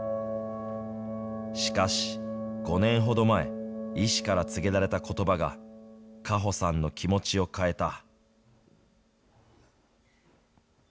しかし、５年ほど前、医師から告げられたことばが果歩さんの気持ちを変えた。